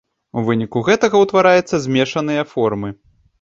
У выніку гэтага ўтвараецца змешаныя формы.